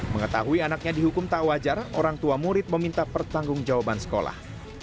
mengetahui anaknya dihukum tak wajar orang tua murid meminta pertanggung jawaban sekolah